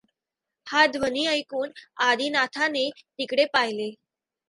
हा ध्वनि ऐकून आदिनाथाने तिकडे पाहिले.